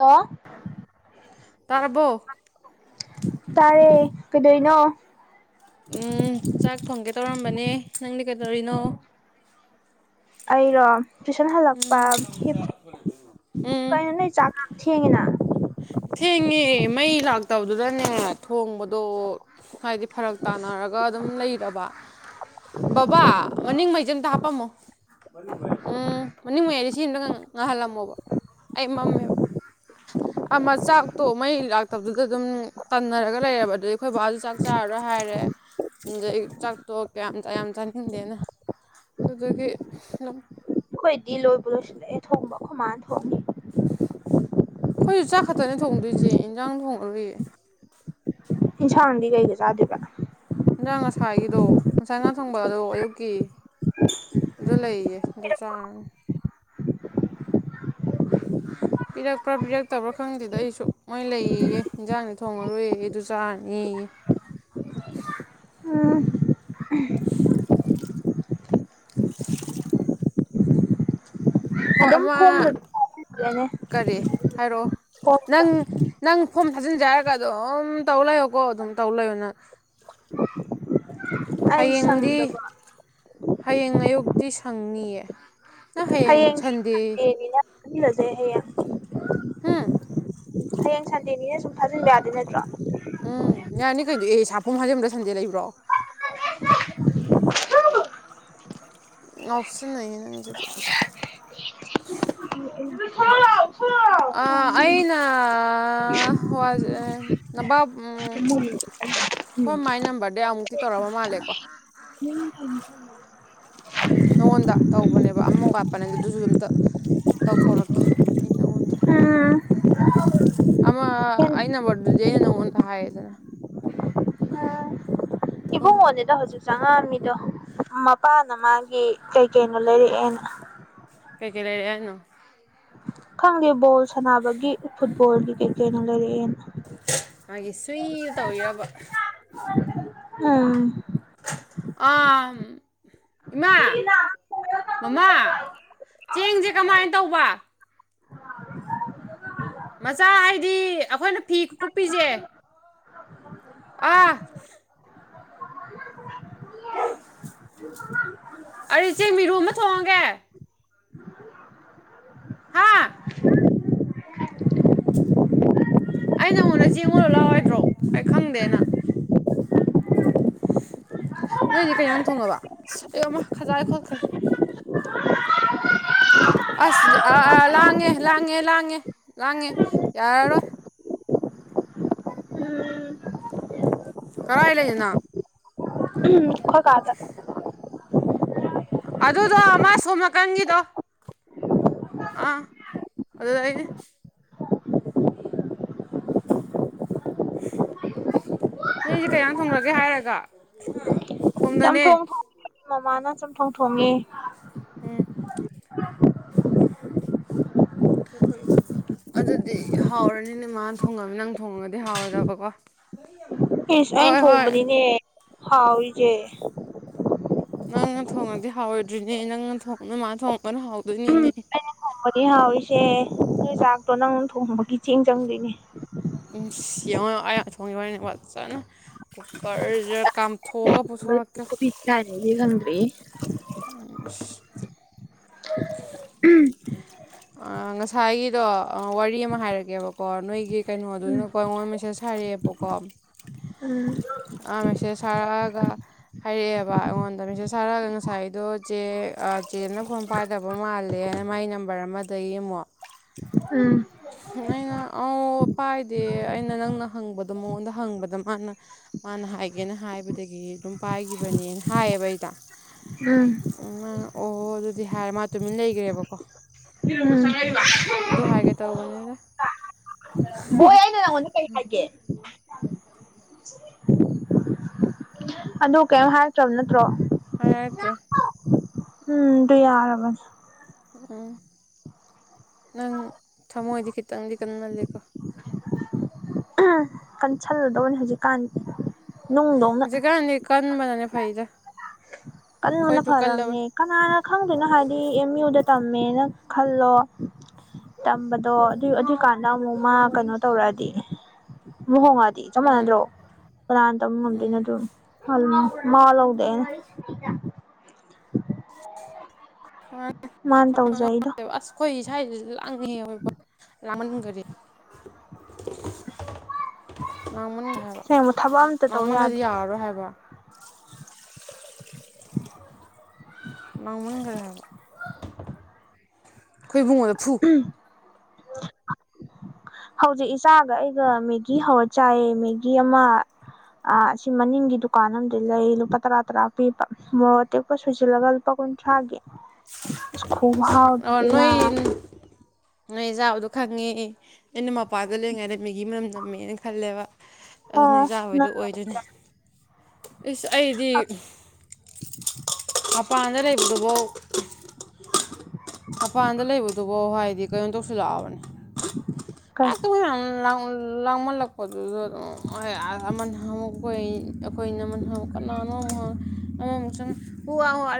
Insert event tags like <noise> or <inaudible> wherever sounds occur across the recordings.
hello ꯇꯔꯥꯕꯣ ꯇꯥꯔꯦ ꯀꯩꯗꯧꯔꯤꯅꯣ ꯎꯝ ꯆꯥꯛ ꯊꯣꯡꯒꯦ ꯇꯧꯔꯝꯕꯅꯦ ꯅꯪꯗꯤ ꯀꯩꯗꯧꯔꯤꯅꯣ ꯑꯩꯔꯣ ꯇꯨꯏꯁꯟ ꯍꯜꯂꯛꯄ ꯍꯤꯞꯄꯤꯌꯦ ꯎꯝ ꯀꯩꯅꯣ ꯅꯣꯏ ꯆꯥꯛ ꯊꯦꯡꯉꯤꯅ ꯊꯦꯡꯉꯦ ꯃꯩ ꯂꯥꯛꯇꯕꯗꯨꯗꯅꯦ ꯊꯣꯡꯕꯗꯣ ꯍꯥꯏꯗꯤ ꯐꯔꯛ ꯇꯥꯅꯔꯒ ꯑꯗꯨꯝ ꯂꯩꯔꯕ ꯕꯕꯥ ꯃꯅꯤꯡ ꯃꯩꯖꯦ ꯑꯝꯇ ꯍꯥꯞꯄꯝꯃꯨ ꯃꯅꯤꯡ ꯃꯩ ꯎꯝ ꯃꯅꯤꯡ ꯃꯩꯗꯤ ꯁꯤ ꯑꯝꯇ ꯉꯥꯡꯍꯜꯂꯝꯃꯣꯕ ꯑꯩ ꯃꯝꯃꯦꯕ <inaudible> ꯑꯃ ꯆꯥꯛꯇꯣ ꯃꯩ ꯂꯥꯛꯇꯕꯗꯨꯗ ꯑꯗꯨꯝ ꯇꯟꯅꯔꯒ ꯂꯩꯔꯕ ꯑꯗꯨꯗꯤ ꯑꯈꯣꯏ ꯕꯥꯁꯨ ꯆꯥꯛ ꯆꯥꯔꯔꯣꯏ ꯍꯥꯏꯔꯦ ꯑꯗꯩꯩ ꯆꯥꯛꯇꯣꯛ ꯀꯌꯥꯝ ꯀꯌꯥꯝ ꯆꯥꯅꯤꯡꯗꯦꯅ ꯑꯗꯨꯗꯨꯒꯤ ꯗꯨꯝ ꯑꯈꯣꯏꯗꯤ ꯂꯣꯏꯕꯨ ꯂꯣꯏꯁꯤꯜꯂꯛꯑꯦ ꯊꯣꯡꯕ ꯑꯈꯣꯏ ꯃꯥꯅ ꯊꯣꯡꯉꯦ ꯑꯈꯣꯏꯁꯨ ꯆꯥꯛ ꯈꯛꯇꯅꯦ ꯊꯣꯡꯗꯣꯏꯁꯦ ꯏꯟꯖꯥꯡ ꯊꯣꯡꯉꯔꯣꯏꯌꯦ ꯏꯟꯁꯥꯡꯗꯤ ꯀꯩꯒ ꯆꯥꯗꯣꯏꯕ ꯏꯟꯖꯥꯡ ꯉꯁꯥꯏꯒꯤꯗꯣ ꯉꯁꯥꯏ ꯉꯥ ꯊꯣꯡꯕꯗꯣ ꯑꯌꯨꯛꯀꯤ ꯑꯗꯨ ꯂꯩꯌꯦ ꯑꯗꯨ ꯆꯥꯔꯥꯅꯤ <inaudible> ꯄꯤꯔꯛꯄ꯭ꯔꯥ ꯄꯤꯔꯛꯇꯕ꯭ꯔꯥ ꯈꯪꯗꯦꯗ ꯑꯩꯁꯨ ꯃꯣꯏ ꯂꯩꯌꯦꯌꯦ ꯏꯟꯖꯥꯡꯗꯤ ꯊꯣꯡꯉꯔꯣꯏꯌꯦ ꯑꯗꯨ ꯆꯥꯔꯅꯤꯌꯦ <inaudible> ꯍꯣꯏ ꯑꯗꯨꯝ ꯑꯝꯃꯥ ꯐꯣꯝꯗ ꯂꯩꯔꯦꯅꯦ ꯀꯔꯤ ꯍꯥꯏꯔꯛꯑꯣ ꯐꯣꯝꯗꯣ ꯅꯪ ꯅꯪ ꯐꯣꯝ ꯊꯥꯖꯤꯟꯖꯦ ꯍꯥꯏꯔꯒ ꯑꯗꯨꯝ ꯇꯧ ꯂꯩꯌꯣꯀꯣ ꯑꯗꯨꯝ ꯇꯧ ꯂꯩꯌꯣ ꯅꯪ <inaudible> ꯑꯩ ꯍꯌꯦꯡꯗꯤ ꯁꯪꯗꯕ ꯍꯌꯦꯡ ꯑꯌꯨꯛꯇꯤ ꯁꯪꯅꯤꯌꯦ ꯅꯪ ꯍꯌꯦꯡ ꯍꯌꯦꯡꯗꯤ ꯁꯟꯗꯦ ꯅꯤꯅ ꯊꯖꯤꯟꯂꯁꯦ ꯍꯌꯦꯡ ꯍꯨꯝ ꯍꯌꯦꯡ ꯁꯟꯗꯦꯅꯤꯅ ꯁꯨꯝ ꯊꯥꯖꯤꯟꯕ ꯌꯥꯗꯣꯏ ꯅꯠꯇ꯭ꯔꯣ ꯎꯝ ꯌꯥꯅꯤ ꯀꯩꯅꯣ ꯑꯦ ꯁ ꯐꯣꯝ ꯊꯥꯖꯤꯟꯕꯗ ꯁꯟꯗꯦ ꯂꯩꯕ꯭ꯔꯣ <inaudible> ꯉꯥꯎꯁꯤꯟ ꯅꯩꯌꯦ ꯅꯪꯖꯤꯗꯤ ꯎꯝ ꯑꯥ ꯑꯩꯅ ꯋꯥꯁꯦ ꯅꯕꯥꯞ ꯈꯣꯏ ꯃꯥꯏ ꯅꯝꯕꯔꯗꯩꯩ ꯑꯃꯨꯛꯇꯤ ꯇꯧꯔꯛꯑꯥꯕ ꯃꯥꯜꯂꯦꯀꯣ ꯅꯉꯣꯟꯗ ꯇꯧꯕꯅꯦꯕ ꯑꯃ ꯋꯥꯠꯄꯅꯦ ꯑꯗꯨꯁꯨ ꯑꯝꯇ ꯇꯧꯊꯣꯔꯛꯀꯦ ꯑꯩ ꯅꯉꯣꯟꯗ ꯑꯃ ꯑꯩ ꯅꯝꯕꯔꯗꯨꯗꯤ ꯑꯩꯅꯥ ꯅꯥꯉꯣꯟꯗ ꯍꯥꯏꯌꯦꯗꯅ ꯑꯥ ꯑꯣ ꯏꯕꯨꯡꯉꯣꯅꯤꯗ ꯍꯧꯖꯤꯛ ꯆꯪꯉꯛꯑꯝꯃꯤꯗꯣ ꯃꯄꯥꯅ ꯃꯥꯒꯤ ꯀꯩ ꯀꯩꯅꯣ ꯂꯩꯔꯛꯑꯦꯅ ꯀꯩ ꯀꯩ ꯂꯩꯔꯛꯑꯦ ꯍꯥꯏꯅꯣ ꯈꯪꯗꯦ ꯕꯣꯜ ꯁꯥꯟꯅꯕꯒꯤ ꯐꯨꯠꯕꯣꯜꯒꯤ ꯀꯩ ꯀꯩꯅꯣ ꯂꯩꯔꯛꯑꯦꯅ ꯃꯥꯒꯤ ꯁꯨꯏ ꯗꯣ ꯇꯧꯔꯤꯔꯕ ꯎꯝ ꯑꯥꯑꯝ ꯏꯃꯥ ꯃꯃꯥ ꯆꯦꯡꯁꯦ ꯀꯃꯥꯏꯅ ꯇꯧꯕ ꯃꯆꯥ ꯍꯥꯏꯗꯤ ꯑꯈꯣꯏꯅ ꯐꯤ ꯀꯨꯞꯄꯤꯖꯦ ꯑꯥ ꯑꯗꯨꯗꯤ ꯆꯦꯡ ꯃꯤꯔꯨꯛ ꯑꯃ ꯊꯣꯡꯉꯥꯒꯦ ꯍꯥꯥ ꯑꯩ ꯅꯉꯣꯟꯗ ꯆꯦꯡ ꯑꯣꯜꯂꯨ ꯂꯥꯎ ꯍꯥꯏꯗ꯭ꯔꯣ ꯑꯩ ꯈꯪꯗꯦꯅ ꯅꯣꯏꯗꯤ ꯀꯩ ꯑꯦꯟꯖꯥꯡ ꯊꯣꯡꯉꯕ ꯑꯌꯣꯃꯥ ꯈꯖꯥꯏꯗ ꯈꯣꯠꯈ꯭ꯔꯦ <inaudible> ꯑꯁ ꯑ ꯑ ꯂꯥꯡꯉꯦ ꯂꯥꯡꯉꯦ ꯂꯥꯡꯉꯦ ꯂꯥꯡꯉꯦ ꯌꯥꯔꯔꯣꯏ ꯎꯝ ꯀꯥꯔꯥꯢ ꯂꯩꯅꯣ ꯅꯪ ꯑꯩꯈꯣꯢ ꯀꯥꯗ ꯑꯗꯨꯗꯣ ꯑꯃ ꯁꯣꯝ ꯅꯥꯀꯟꯒꯤꯗꯣ ꯑꯥ ꯑꯗꯨꯗꯩꯅꯦ ꯅꯣꯏꯗꯤ ꯀꯩ ꯑꯦꯟꯖꯥꯡ ꯊꯣꯡꯒ꯭ꯔꯒꯦ ꯍꯥꯏꯔꯒ ꯁꯣꯝꯗꯅꯦ ꯆꯝꯊꯣꯡ ꯊꯣꯡꯉꯦ ꯃꯃꯥꯅ ꯆꯝꯊꯣꯡ ꯊꯣꯡꯉꯦ ꯎꯝ ꯑꯗꯨꯗꯤ ꯍꯥꯎꯔꯅꯤ ꯅꯣꯢꯃꯥꯅ ꯊꯣꯡꯉꯝꯅꯤ ꯅꯪ ꯊꯣꯡꯉꯒꯗꯤ ꯍꯥꯎꯔꯣꯏꯗꯕꯀꯣ ꯏꯁ ꯑꯩꯅ ꯍꯣꯏ ꯍꯣꯏ ꯊꯣꯡꯕꯅꯤꯅꯦ ꯍꯥꯎꯔꯤꯁꯦ ꯅꯪꯅ ꯊꯣꯡꯉꯗꯤ ꯍꯥꯎꯔꯣꯏꯗ꯭ꯔꯤꯅꯦ ꯅꯪꯅ ꯊꯣꯡ ꯅꯣꯢꯃꯥꯅ ꯊꯣꯡꯉꯒꯅ ꯍꯥꯎꯗꯣꯏꯅꯤꯅꯦ ꯑꯩꯅ ꯊꯣꯡꯕꯅꯤ ꯍꯥꯎꯔꯤꯁꯦ ꯅꯣꯏ ꯆꯥꯛꯇꯣ ꯅꯪꯅ ꯊꯣꯡꯕꯒꯤ ꯆꯦꯡ ꯆꯪꯗꯣꯏꯅꯦ ꯢꯁ ꯍꯦꯡꯉꯣ ꯌꯦꯡꯉꯣ ꯑꯩꯅ ꯊꯣꯡꯉꯤꯕꯅꯤꯅ ꯀꯣ ꯐꯖꯅ ꯀꯨꯀꯔꯁꯤꯗ ꯀꯥꯝꯊꯣꯛꯑꯒ ꯄꯨꯊꯣꯔꯛ ꯊꯨꯄꯤꯠ ꯀꯥꯢꯔ ꯂꯩꯗꯤ ꯈꯪꯗ꯭ꯔꯤꯌꯦ ꯎꯝ ꯑ ꯉꯁꯥꯏꯒꯤꯗꯣ ꯑ ꯋꯥꯔꯤ ꯑꯃ ꯍꯥꯏꯔꯛꯀꯦꯕꯀꯣ ꯅꯣꯏꯒꯤ ꯀꯩꯅꯣꯗꯨꯅꯀꯣ ꯑꯩꯉꯣꯟꯗ ꯃꯦꯁꯦꯖ ꯍꯥꯏ ꯍꯥꯢꯔꯛꯑꯦꯕ ꯀꯣ ꯎꯝ ꯑꯥ ꯃꯦꯁꯦꯖ ꯊꯔꯛꯑꯒ ꯍꯥꯏꯔꯛꯑꯦꯕ ꯑꯩꯉꯣꯟꯗ ꯃꯦꯁꯦꯖ ꯊꯥꯔꯛꯑꯒ ꯉꯁꯥꯏꯗꯣ ꯆꯦ ꯑ ꯆꯦꯅ ꯐꯣꯟ ꯄꯥꯏꯗꯕ ꯃꯥꯜꯂꯦꯅ ꯃꯥꯏ ꯅꯝꯕꯔ ꯑꯃꯗꯒꯤ ꯑꯃꯨꯛ <inaudible> <inaudible> ꯑꯩꯅ ꯑꯣ ꯄꯥꯏꯗꯦ ꯑꯩꯅ ꯅꯪꯅ ꯍꯪꯕꯗꯣ ꯃꯉꯣꯟꯗ ꯍꯪꯕꯗ ꯃꯥꯅ ꯃꯥꯅ ꯍꯥꯏꯒꯦꯅ ꯍꯥꯏꯕꯗꯒꯤ ꯑꯗꯨꯝ ꯄꯥꯏꯈꯤꯕꯅꯦꯅ ꯍꯥꯏꯌꯦꯕ ꯑꯩꯗꯣ ꯎꯝ ꯎꯝ ꯃꯥꯅ ꯑꯣ ꯑꯗꯨꯗꯤ ꯍꯥꯏꯔ ꯃꯥ ꯇꯨꯃꯤꯟ ꯂꯩꯈ꯭ꯔꯦꯕꯀꯣ <unintelligible> ꯇꯧꯕꯅꯦꯗ ꯕꯣꯏ ꯑꯩꯅ ꯅꯪꯉꯣꯟꯗ ꯀꯔꯤ ꯍꯥꯏꯒꯦ ꯑꯗꯨ ꯀꯦꯝ ꯍꯥꯏꯔꯛꯇ꯭ꯔꯕ ꯅꯠ ꯍꯥꯢꯔꯛꯇ꯭ꯔꯦ ꯎꯝ ꯗꯨ ꯌꯥꯔꯕꯅꯦ ꯎꯝ ꯅꯪ ꯊꯃꯣꯏꯗꯤ ꯈꯤꯇꯪꯗꯤ ꯀꯟꯃꯟꯂꯦꯀꯣ ꯑꯍꯝ ꯀꯟ ꯁꯜꯂꯗꯧꯕꯅꯦ ꯍꯧꯖꯤꯛ ꯀꯥꯟꯗꯤ ꯍꯧꯖꯤꯛ ꯀꯥꯟꯗꯤ ꯀꯟꯕꯅꯅꯦ ꯐꯩꯗ ꯀꯟꯕꯅ ꯑꯩꯈꯣꯏꯁꯨ ꯐꯔꯕꯅꯦ ꯀꯜꯂꯕꯅꯤ ꯀꯅꯥꯅ ꯈꯪꯗꯣꯏꯅꯣ ꯍꯥꯏꯗꯤ ꯑꯦꯝ ꯌꯨꯗ ꯇꯝꯃꯦ ꯅ ꯈꯜꯂꯣ ꯇꯝꯕꯗꯣ ꯑꯗꯨ ꯑꯗꯨꯏꯀꯥꯟꯗ ꯑꯃꯨꯛ ꯃꯥ ꯀꯩꯅꯣ ꯇꯧꯔꯛꯑꯦ ꯗꯤ ꯃꯨ ꯍꯣꯡꯉꯗꯤ ꯆꯞ ꯃꯥꯅ ꯃꯥꯟꯅꯗ꯭ꯔꯣ ꯀꯅꯥꯅ ꯇꯝꯕ ꯉꯝꯗꯣꯏꯅꯣ ꯑꯗꯨꯝꯝ ꯃꯥꯋ ꯂꯧꯗꯦꯅ <inaudible> ꯋꯥ ꯃꯥꯅ ꯇꯧꯖꯩꯗꯣ ꯅꯁ ꯈꯋꯥꯏ ꯁꯤꯁꯨ ꯂꯥꯡꯍꯦ ꯑꯥꯑꯣꯍꯕ ꯂꯥꯥꯡꯃꯟꯈꯔꯤ ꯂꯥꯡꯃꯟꯈ꯭ꯔꯦ <inaudible> ꯍꯥꯏꯕ ꯁꯦꯡꯕ ꯊꯕꯛ ꯑꯝꯇ ꯇꯧ ꯂꯥꯡꯃꯜꯂꯗꯤ ꯌꯥꯗꯦ ꯌꯥꯔꯔꯣꯏ ꯍꯥꯏꯕ ꯃꯥꯡ ꯂꯥꯡꯃꯟ ꯈ꯭ꯔꯦꯍꯥꯏꯕ ꯑꯩꯈꯣꯏ ꯏꯕꯨꯡꯉꯣꯗ ꯐꯨ <inaudible> ꯍꯧꯖꯤꯛ ꯏꯆꯥꯒ ꯑꯩꯒ ꯃꯦꯒꯤ ꯍꯧꯔ ꯆꯥꯏꯌꯦ ꯃꯦꯒꯤ ꯑꯃ ꯑ ꯑꯁꯤ ꯃꯅꯤꯡꯒꯤ ꯗꯨꯀꯥꯟ ꯑ ꯂꯩ ꯂꯨꯄꯥ ꯇꯔꯥ ꯇꯔꯥ ꯄꯤꯕ ꯃꯣꯔꯣꯛ ꯑꯇꯦꯛꯄ ꯁꯣꯏꯁꯤꯜꯂꯒ ꯂꯨꯄꯥ ꯀꯨꯟꯊ꯭ꯔꯥꯦ ꯈꯨ ꯍꯥꯎꯗꯤ ꯑꯣ ꯅꯣꯏ ꯅꯣꯏ ꯖꯥꯕꯗꯣ ꯈꯪꯉꯦ ꯑꯩꯅ ꯃꯄꯥꯗ ꯂꯩꯔꯤꯉꯩꯗ ꯃꯤꯒꯤ ꯃꯅꯝ ꯅꯝꯃꯦꯅ ꯈꯜꯂꯦꯕ ꯑꯗꯨ ꯑꯣ ꯅꯣꯏꯆꯥꯕꯩꯗꯣ ꯅꯪ ꯑꯣꯏꯗꯣꯏꯅꯤ ꯏꯁ ꯑꯩꯗꯤ ꯃꯄꯥꯟꯗ ꯂꯩꯕꯗꯨꯕꯥꯎ <inaudible> ꯃꯄꯥꯟꯗ ꯂꯩꯕꯗꯨꯕꯧ ꯍꯥꯏꯗꯤ ꯀꯩꯅꯣꯝ ꯇꯧꯁꯜꯂꯥꯛꯑꯕꯅꯦ ꯀꯩ ꯑꯇ <unintelligible> ꯂꯥꯡ ꯂꯥꯡꯃꯜꯂꯛꯄꯗꯨꯁꯨ ꯑꯗꯨꯝ ꯑꯥ ꯑꯃꯅ ꯅꯍꯥꯟꯃꯨꯛ ꯈꯣꯏ ꯑꯩꯈꯣꯏ ꯏꯅꯝꯃꯨꯛ ꯀꯅꯥꯅꯣꯃꯨꯛ ꯍꯪ ꯑꯃꯃꯨꯛ ꯆꯪ <unintelligible>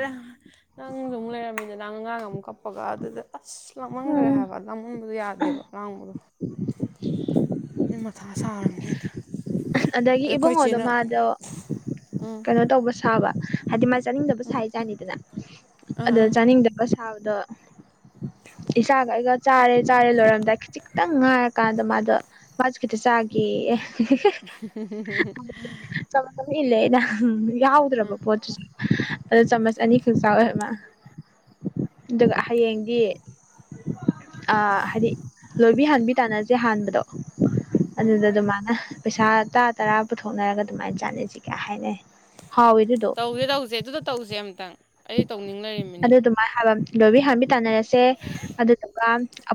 ꯅꯪꯁꯨꯝꯨꯛ ꯂꯩꯔꯝꯃꯤꯗ ꯑꯉꯥꯡ ꯑꯃꯨꯛ ꯀꯞꯄꯒ ꯑꯗꯨꯗ ꯑꯁ ꯂꯥꯃꯟꯒ꯭ꯔꯦ ꯎꯝ ꯍꯥꯏꯕ ꯂꯝꯃꯟꯕꯗꯣ ꯌꯥꯗꯦ ꯗꯦꯕ ꯂꯥꯡꯕꯗꯣ ꯑꯩ ꯃꯊꯥ ꯁꯥꯔꯝꯅꯤꯅ ꯑꯗꯒꯤ ꯏꯕꯨꯡꯉꯣꯗꯣ ꯃꯥꯗꯣ ꯎꯝ ꯀꯩꯅꯣ ꯇꯧꯕ ꯁꯥꯕ ꯍꯥꯏꯗꯤ ꯃꯥ ꯆꯥꯅꯤꯡꯗꯕ ꯁꯥꯏꯖꯥꯅꯤꯗꯅ ꯑꯥ ꯑꯗꯣ ꯑꯥ ꯆꯥꯅꯤꯡꯗꯕ ꯁꯥꯕꯗꯣ ꯏꯆꯥꯒ ꯑꯩꯒ ꯆꯥꯔꯦ ꯆꯥꯔꯦ ꯂꯣꯏꯔꯝꯗꯥꯏ ꯈꯤꯖꯤꯈꯤꯛꯇꯪ ꯉꯥꯏꯔꯀꯥꯟꯗ ꯃꯥꯗꯣ ꯃꯥꯁꯨ ꯈꯤꯇ ꯆꯥꯒꯦꯌꯦ ꯑꯦ ꯑꯍ ꯍ ꯍ ꯍ ꯍ ꯏꯜꯂꯦꯗ ꯌꯥꯎꯗ꯭ꯔꯕ ꯄꯣꯠꯇꯨꯁꯨ ꯑꯗ ꯆꯥꯃꯁ ꯑꯅꯤꯈꯛ ꯆꯥꯔꯦ ꯃꯥ ꯑꯗꯨꯒ ꯍꯌꯦꯡꯗꯤ ꯑꯥ ꯍꯥꯏꯗꯤ ꯂꯣꯏꯕꯤ ꯍꯟꯕꯤ ꯇꯥꯟꯅꯁꯦ ꯍꯥꯟꯕꯗꯣ ꯑꯗꯨꯗꯖꯨ ꯃꯥꯅ ꯄꯩꯁꯥ ꯇꯔꯥ ꯇꯔꯥ ꯄꯨꯊꯣꯛꯅꯔꯒ ꯑꯗꯨꯃꯥꯏꯅ ꯆꯥꯅꯁꯤ ꯀꯌꯥ ꯍꯥꯏꯅꯩ ꯍꯥꯎꯋꯤ ꯑꯗꯨꯗꯣ ꯇꯧꯖꯦ ꯇꯧꯖꯦ ꯑꯗꯨꯗ ꯇꯧꯖꯦ ꯑꯝꯇꯪ ꯑꯩ ꯇꯧꯅꯤꯡ ꯂꯩꯔꯝꯃꯤꯅꯤ ꯑꯗꯨ ꯑꯗꯨꯃꯥꯏꯅ ꯍꯥꯏꯕ ꯂꯣꯏꯕꯤ ꯍꯥꯟꯕꯤ ꯇꯥꯟꯅꯔꯁꯦ ꯑꯗꯨꯗꯨꯒ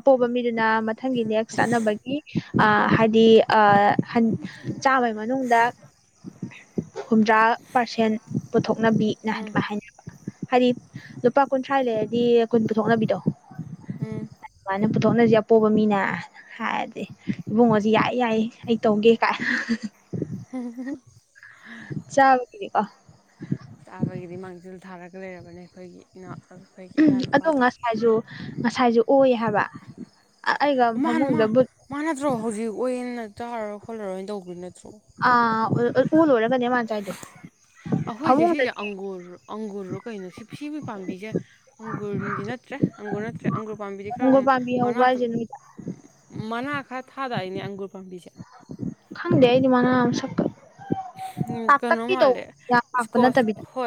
ꯄꯣꯕ ꯃꯤꯗꯨꯅ ꯃꯊꯪꯒꯤ ꯅꯦꯛꯁ ꯆꯠꯅꯕꯒꯤ ꯑꯥ ꯍꯥꯏꯗꯤ ꯑꯥ ꯍꯟ ꯆꯥꯝꯃꯩ ꯃꯅꯨꯡꯗ ꯍꯨꯝꯗ꯭ꯔꯥ ꯄꯥꯔꯁꯦꯟ ꯄꯨꯊꯣꯛ ꯅꯕꯤꯅ ꯑꯗꯨꯃꯥꯏꯅ ꯍꯥꯏꯅꯕ ꯍꯥꯏꯗꯤ ꯂꯨꯄꯥ ꯀꯨꯟꯊ꯭ꯔꯥꯏ ꯂꯩꯔꯗꯤ ꯀꯨꯟ ꯄꯨꯊꯣꯛꯅꯕꯤꯗꯣ ꯎꯝ ꯑꯩꯅ ꯄꯨꯊꯣꯛꯅꯁꯤ ꯑꯄꯣꯕ ꯃꯤꯅꯦ ꯍꯥꯏꯔꯗꯤ ꯏꯕꯨꯡꯉꯣꯁꯤ ꯌꯥꯏ ꯌꯥꯏ ꯑꯩ ꯇꯧꯒꯦ ꯀꯥꯏꯅ ꯍꯥ ꯍꯥ ꯍꯦꯍꯦ ꯍꯦ ꯍꯦ <unintelligible> ꯇꯥꯕꯒꯤꯗꯤ ꯃꯥꯡꯖꯤꯜ ꯊꯥꯔꯒ ꯂꯩꯔꯕꯅꯦ ꯑꯩꯈꯣꯏꯒꯤ ꯏꯅꯥꯎ ꯑꯩꯈꯣꯏꯒꯤ ꯑꯗꯣ ꯏꯌꯥꯅꯨꯄꯥꯗꯣ ꯉꯁꯥꯏꯁꯨ ꯉꯁꯥꯏꯁꯨ ꯑꯣꯏ ꯍꯥꯏꯕ ꯑꯩꯒ ꯑꯣꯃꯥ ꯃꯥ ꯐꯃꯨꯡꯗ ꯕꯨꯠ ꯃꯥ ꯅꯠꯇ꯭ꯔꯣ ꯍꯧꯖꯤꯛ ꯑꯣꯏꯅ ꯆꯥꯔꯔꯣꯏ ꯈꯣꯠꯂꯔꯣꯏꯅ ꯇꯧꯒꯤ ꯅꯠ ꯑꯥ ꯑ ꯑꯣ ꯂꯣꯏꯔꯒꯅꯦ ꯃꯥ ꯆꯥꯏꯗꯦ ꯑꯩꯈꯣꯏꯁꯦ ꯁꯤꯁꯦ ꯑꯪꯒꯨꯔ ꯑꯪꯒꯨꯔꯔꯣ ꯀꯩꯅꯣ ꯁꯤꯒꯤ ꯄꯥꯝꯕꯤꯁꯦ ꯑꯪꯒꯨꯔꯗꯤ ꯅꯠꯇ ꯅꯠꯇ꯭ꯔꯦ ꯑꯪꯒꯨꯔ ꯅꯠꯇ꯭ꯔꯦ ꯑꯪꯒ꯭ꯨꯔ ꯄꯥꯝꯕꯤꯗꯤ ꯈꯔ ꯈꯣꯡꯒꯨꯜ ꯄꯥꯝꯕꯤ ꯍꯧꯕ꯭ꯔꯥ ꯃꯅꯥꯇꯝ ꯍꯥꯏꯁꯦ ꯅꯣꯏꯗ ꯃꯅꯥ ꯈꯔ ꯊꯥꯗꯥꯏꯅꯦ ꯑꯪꯒꯨꯔ ꯄꯥꯝꯕꯤꯁꯦ ꯈꯪꯗꯦ ꯑꯩꯗꯤ ꯃꯅꯥ ꯃꯁꯛꯀ ꯀꯩꯅꯣ ꯄꯥꯛꯇꯛꯇꯤ ꯃꯥꯂꯦ ꯇꯧꯕ ꯌꯥꯝ ꯄꯥꯛꯄ ꯏꯁꯀꯣꯁ ꯅꯠꯇꯕꯤꯗ ꯍꯣ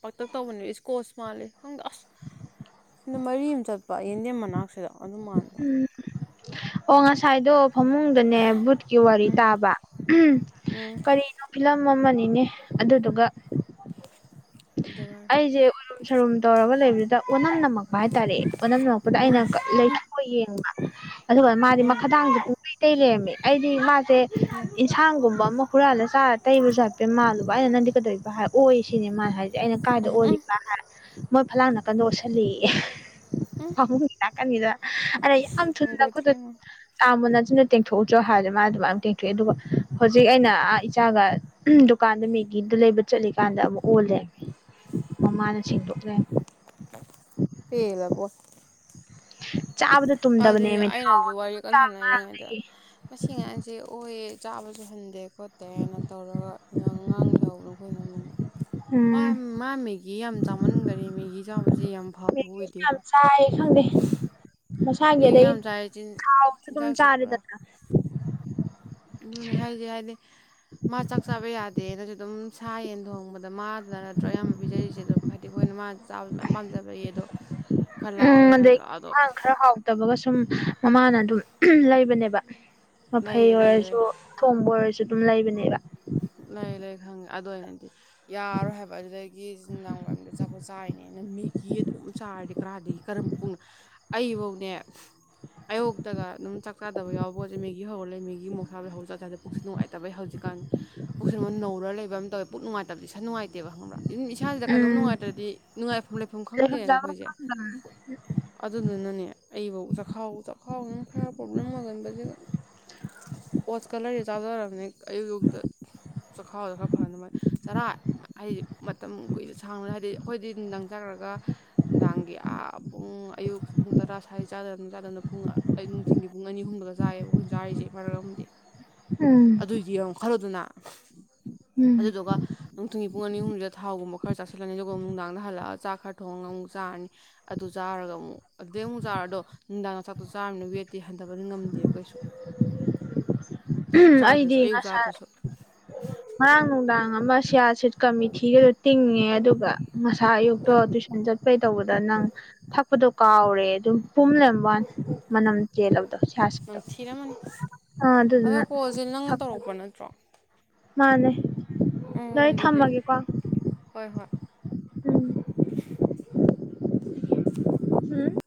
ꯄꯇꯛ ꯇꯧꯕꯅꯦ ꯏ꯭ꯁꯀꯣꯁ ꯃꯥꯜꯂꯦ ꯈꯪꯗꯦ ꯑꯁ ꯑꯗ ꯃꯔꯤ ꯑꯃ ꯆꯠꯄ ꯌꯦꯟꯗꯦꯝ ꯃꯅꯥꯛꯁꯤꯗ ꯑꯗꯨ ꯃꯥꯟꯕ ꯑꯣ ꯉꯁꯥꯏꯗꯣ ꯐꯃꯨꯡꯗꯅꯦ ꯕꯨꯠꯀꯤ ꯋꯥꯔꯤ ꯇꯥꯕ ꯎꯍꯨꯝ ꯎꯝ ꯀꯔꯤꯅꯣ ꯐꯤꯂꯝ ꯃꯝꯃꯅꯤꯅꯦ ꯑꯗꯨꯗꯨꯒ ꯑꯗꯨꯒ ꯑꯩꯁꯦ ꯎꯏꯔꯨꯝ ꯁꯔꯨꯝ ꯇꯧꯔꯕ ꯂꯩꯕꯗꯨꯗ ꯑꯣꯅꯝ ꯅꯃꯛ ꯍꯥꯏꯇꯥꯔꯦ ꯑꯣꯅꯝ ꯅꯃꯛꯛꯄꯗ ꯑꯩꯅ ꯂꯩꯊꯣꯛꯑ ꯌꯦꯡꯕ ꯑꯗꯨꯒ ꯃꯥꯗꯤ ꯎꯝ ꯃꯈꯥꯗꯥꯡꯖꯦ ꯄꯨꯡ ꯇꯩ ꯂꯩꯔꯝꯃꯤ ꯑꯩꯗꯤ ꯃꯥꯁꯦ ꯏꯟꯁꯥꯡꯒꯨꯝꯕ ꯑꯃ ꯍꯨꯔꯥꯜꯂ ꯆꯥꯔ ꯇꯩꯕꯁꯨ ꯍꯥꯞꯄꯦ ꯃꯥꯜꯂꯨꯕ ꯑꯩꯅ ꯅꯪꯗꯤ ꯀꯩꯗꯧꯔꯤꯕ ꯍꯥꯏ ꯑꯣꯏ ꯁꯤꯅꯦ ꯃꯥ ꯍꯥꯏꯁꯦ ꯑꯩꯅ ꯀꯥꯏꯗ ꯑꯣꯔꯤꯕꯥ ꯍꯥꯏ ꯃꯣꯏ ꯐꯂꯥꯡ ꯅꯥꯀꯟꯗ ꯑꯣꯁꯜꯂꯤꯥꯦꯌꯦ ꯐꯃꯨꯡꯒꯤ ꯅꯥꯛꯀꯟꯒꯤꯗ ꯑꯩꯅ ꯌꯥꯝ ꯊꯨꯅ ꯍꯪꯒꯣꯏꯗ꯭ꯔꯦ ꯅꯈꯨꯠꯇꯨ ꯌꯦꯡꯉꯣ ꯆꯥꯝꯃꯨ ꯅꯆ ꯆꯤꯟꯗꯣ ꯇꯦꯡꯊꯣꯛꯎꯆꯣ ꯍꯥꯏꯕꯗ ꯃꯥ ꯑꯗꯨꯃꯥꯏꯅ ꯇꯦꯡꯊꯣꯛꯑꯦ ꯑꯗꯨꯒ ꯍꯧꯖꯤꯛ ꯑꯩꯅꯥ ꯑꯥ ꯏꯆꯥꯒ ꯎꯍꯨꯝ ꯗꯨꯀꯥꯟꯗ ꯃꯤ ꯒꯤ ꯑꯝꯇ ꯂꯩꯕ ꯆꯠꯂꯤꯀꯥꯟꯗ ꯑꯃꯨꯛ ꯑꯣ ꯂꯩꯔꯝꯃꯦ ꯃꯃꯥꯅ ꯁꯦꯡꯗꯣꯛ ꯂꯩꯔꯝꯃꯦ ꯄꯦꯂꯕꯣ <inaudible> ꯑꯗꯨ ꯇꯨꯝꯗꯕꯅꯦꯃꯦ ꯊꯥꯎ ꯑꯩꯅꯁꯨ ꯋꯥꯔꯤ ꯀꯥꯟ ꯆꯥꯡ ꯁꯥꯟꯅꯔꯤꯉꯩꯗ ꯉꯔꯥꯡꯗꯒꯤ ꯃꯁꯤ ꯉꯥꯟꯁꯦ ꯑꯣꯏꯌꯦ ꯆꯥꯕꯁꯨ ꯍꯟꯗꯦ ꯈꯣꯠꯇꯦꯅ ꯇꯧꯔꯒ ꯉꯥ ꯉꯡ ꯂꯩꯍꯧꯕ ꯑꯩꯈꯣꯏꯅꯝꯃꯅ ꯃꯥ ꯎꯝ ꯃꯥ ꯃꯦꯒꯤ ꯌꯥꯝ ꯆꯥꯃꯟꯒꯔꯦꯃꯤ ꯃꯦꯒꯤ ꯆꯥꯕꯁꯦ ꯌꯥꯝ ꯐꯕ ꯃꯦꯒꯤꯁꯨ ꯌꯥꯝ ꯑꯣꯏꯗꯦꯕ ꯆꯥꯏ ꯈꯪꯗꯦ ꯃꯁꯒꯤ ꯃꯦꯒꯤ ꯑꯗꯩ ꯌꯥꯝ ꯆꯥꯏ ꯆꯤꯟ ꯊꯥꯎꯁꯨ ꯑꯗꯨꯝ ꯆꯤꯟꯖꯥꯛꯁꯦ ꯄꯨꯔꯥ ꯆꯥꯔꯦꯗꯅ ꯑꯗꯨꯅꯦ ꯍꯥꯏꯁꯦ ꯍꯥꯏꯗꯤ ꯃꯥ ꯆꯥꯛ ꯆꯥꯕ ꯌꯥꯗꯦꯅꯁꯨ ꯑꯗꯨꯝ ꯁꯥ ꯌꯦꯟ ꯊꯣꯡꯕꯗ ꯑꯗꯣ ꯃꯥꯗ ꯅꯠꯇ꯭ꯔꯣ ꯑꯌꯥꯝꯕ ꯄꯤꯖꯔꯤꯁꯦ ꯑꯗꯨꯝ ꯍꯥꯏꯗꯤ ꯑꯩꯈꯣꯏꯅ ꯃꯥꯅ ꯆꯥꯕꯁꯨ ꯃꯌꯥꯝ ꯄꯥꯝꯖꯕ ꯂꯩꯩꯌꯦ ꯑꯗꯣ ꯈꯔ ꯎꯝ ꯂꯥꯎꯋꯦꯅꯁꯨ ꯑꯗꯗꯒꯤ ꯑꯗꯣ ꯑꯦꯟꯁꯥꯡ ꯈꯔ ꯍꯥꯎꯇꯕꯒ ꯁꯨꯝ ꯃꯃꯥꯅ ꯑꯗꯨꯝ ꯂꯩꯕꯅꯦꯕ ꯃꯐꯩ ꯂꯩꯌꯦ ꯂꯩꯌꯦ ꯑꯣꯏꯔꯁꯨ ꯑꯊꯣꯡꯕ ꯑꯣꯏꯔꯁꯨ ꯑꯗꯨꯝ ꯂꯩꯕꯅꯦꯕ ꯂꯩ ꯂꯩ ꯈꯪꯉꯦ ꯑꯗꯣ ꯑꯩ ꯍꯥꯏꯗꯤ ꯌꯥꯔꯣꯏ ꯍꯥꯏꯕ ꯑꯗꯨꯗꯒꯤ ꯅꯨꯡꯗꯥꯡ ꯋꯥꯏꯔꯝꯗ ꯑꯆꯥꯄꯣꯠ ꯆꯥꯏꯔꯤꯅꯦꯅ ꯃꯦꯒꯤ ꯀꯤ ꯑꯗꯨꯝ ꯆꯥꯔꯗꯤ ꯀꯔꯥꯗꯒꯤ ꯀꯔꯝ ꯄꯨꯛꯅ ꯑꯩ ꯐꯧꯅꯦ ꯑꯌꯨꯛꯇꯒ ꯑꯗꯨꯝ ꯆꯥꯛ ꯆꯗꯕ ꯌꯥꯎꯕꯣꯠ ꯃꯦꯒꯤ ꯍꯧꯔꯛꯂꯦ ꯃꯦꯒꯤ ꯃꯣꯔꯣꯛ ꯁꯥꯕꯩ ꯍꯧꯔ ꯆꯥꯕꯩ ꯄꯨꯛꯁꯨ ꯅꯨꯡꯉꯥꯏꯇꯕꯩ ꯍꯧꯖꯤꯛ ꯀꯥꯟ ꯄꯨꯛꯁꯦ ꯑꯃꯨꯛ ꯅꯧꯔ ꯂꯩꯕ ꯑꯃ ꯇꯧꯋꯦ ꯄꯨꯛ ꯅꯨꯡꯉꯥꯏꯇꯕꯗꯤ ꯏꯁꯥ ꯅꯨꯡꯉꯥꯏꯇꯦꯕ ꯈꯪꯕ꯭ꯔꯥ ꯑꯗꯨꯝ ꯏꯁꯥꯁꯤꯗ ꯀꯩꯅꯣꯝ ꯎꯝ ꯅꯨꯡꯉꯥꯏꯇ꯭ꯔꯗꯤ ꯅꯨꯡꯉꯥꯏꯐꯝ ꯂꯩꯐꯝ ꯈꯪꯗꯦꯅ ꯆꯥꯐꯝ ꯑꯩꯈꯣꯏꯁꯦ ꯈꯪꯗꯝ ꯑꯗꯨꯗꯨꯅꯅꯦ ꯑꯩꯕꯧ ꯆꯈꯥꯎ ꯆꯥꯛꯈꯥꯎꯁꯤꯅ ꯈꯔ ꯄ꯭ꯔꯣꯕ꯭ꯂꯦꯝ ꯑꯣꯏꯒꯟꯕꯁꯤꯒ ꯑꯣꯠꯁꯀ ꯂꯩꯔ ꯆꯥꯖꯔꯕꯅꯤ ꯑꯩ ꯑꯌꯨꯛ ꯑꯌꯨꯛꯇ <inaudible> ꯆꯣꯈꯥꯎꯗ ꯈꯔ ꯐꯍꯅꯕ ꯆꯔꯥ ꯑꯩꯗꯤ ꯃꯇꯝ ꯀꯨꯏꯅ ꯁꯥꯡꯅ ꯍꯥꯏꯗꯤ ꯑꯩꯈꯣꯏꯗꯤ ꯅꯨꯡꯗꯡ ꯆꯈ꯭ꯔꯒ ꯅꯨꯡꯗꯥꯡꯒꯤ ꯑꯥ ꯄꯨꯡ ꯑꯌꯨꯛ ꯄꯨꯡꯇꯔꯥ ꯁꯋꯥꯥꯏꯗ ꯆꯥꯗꯕꯅ ꯆꯥꯗꯕꯅ ꯅꯨꯡꯊꯒꯤ ꯄꯨꯡ ꯑꯅꯤ ꯑꯍꯨꯝꯗꯒ ꯆꯥꯏꯑꯌꯦꯕ ꯑꯩꯈꯣꯏꯅ ꯆꯥꯔꯤꯁꯦ ꯐꯔꯛ ꯑꯃꯗꯤ ꯎꯝ ꯑꯗꯨꯏꯗꯤ ꯌꯦꯉꯣ ꯈꯜꯂꯨꯗꯅ ꯎꯝ ꯑꯗꯨꯗꯨꯒ ꯃꯇꯨꯡꯊꯒꯤ ꯄꯨꯡ ꯑꯅꯤ ꯑꯍꯨꯝꯁꯤꯗ ꯊꯥꯎꯒꯨꯝꯕ ꯈꯔ ꯆꯥꯁꯤꯜꯂꯅꯤ ꯑꯗꯨꯒ ꯅꯨꯡꯗꯥꯡꯗ ꯍꯜꯂꯛꯑꯒ ꯆꯥꯛ ꯈꯔ ꯊꯣꯡꯉꯒ ꯑꯃꯨꯛ ꯆꯥꯔꯅꯤ ꯑꯗꯨ ꯆꯥꯔ ꯆꯥꯔꯒ ꯑꯃꯨꯛ ꯑꯗꯨꯗꯩ ꯆꯥꯔꯛꯗꯣ ꯅꯨꯡꯗꯥꯡꯁꯥꯛꯇꯨ ꯆꯥꯔꯃꯤꯅ ꯋꯦꯠꯇꯦ ꯍꯟꯊꯕꯗꯤ ꯉꯝꯗꯦꯕ ꯀꯩꯁꯨ ꯆꯥꯛ ꯎꯝ ꯑꯩꯗꯤ ꯆꯥꯗ꯭ꯔꯁꯨ ꯑꯌꯨꯛ ꯉꯁꯥꯏ ꯆꯥꯗ꯭ꯔꯁꯨ ꯉꯔꯥꯡ ꯅꯨꯡꯗꯥꯡ ꯑꯃ ꯁꯤꯌꯥ ꯁꯤꯠꯀ ꯃꯤꯊꯤꯒꯗꯣ ꯇꯤꯡꯉꯦ ꯑꯗꯨꯒ ꯉꯁꯥ ꯑꯌꯨꯛꯇꯣ ꯇꯨꯏꯁꯟ ꯆꯠꯄꯩ ꯇꯧꯕꯗ ꯅꯪ ꯊꯛꯄꯗꯣ ꯀꯥꯎꯔꯦ ꯑꯗꯨꯝ ꯄꯨꯝ ꯂꯩꯔꯝꯕꯩ ꯋꯥꯅꯤ ꯃꯅꯝ ꯆꯦꯜꯂꯕꯗꯣ ꯁꯥꯌꯁꯤꯠꯗꯣ ꯅꯝꯊꯤꯔꯝꯃꯅꯤ ꯑꯥ ꯑꯗꯣ ꯑꯗꯨꯗꯨꯅ ꯀꯣꯜꯁꯦ ꯅꯪꯅ ꯊꯛꯄ ꯇꯧꯔꯛꯄ ꯅꯠꯇ꯭ꯔꯣ ꯃꯥꯅꯦ ꯎꯝ ꯑꯗꯣ ꯑꯩ ꯑꯗꯨꯗꯤ ꯊꯝꯃꯒꯦꯀꯣ ꯍꯣꯏ ꯍꯣꯏ ꯍꯨꯝ